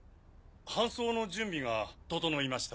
搬送の準備が整いました。